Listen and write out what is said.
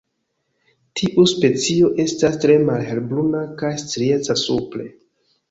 Tiu specio estas tre malhelbruna kaj strieca supre.